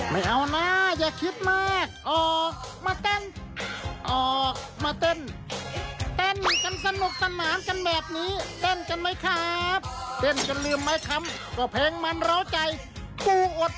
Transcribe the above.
แม่สนุกสนานจริงนะครับคุณฟู